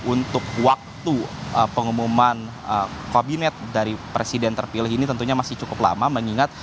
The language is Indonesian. untuk waktu pengumuman kabinet dari presiden terpilih ini tentunya masih cukup lama mengingat